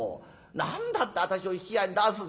何だって私を引き合いに出すんだよ。